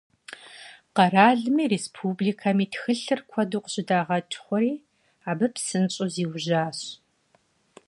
Къэралми республикэми тхылъхэр куэду къыщыдагъэкӏ хъури, абы псынщӏэу зиужьащ.